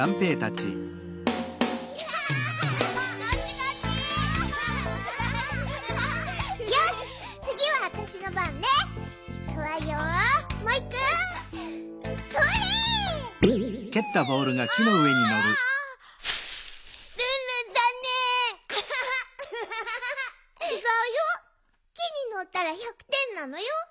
ちがうよきにのったら１００てんなのよ。